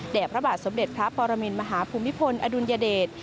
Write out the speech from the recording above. พระบาทสมเด็จพระปรมินมหาภูมิพลอดุลยเดช